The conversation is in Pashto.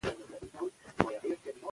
کلتور خپل رنګ ساتي.